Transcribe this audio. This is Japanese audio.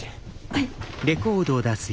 はい。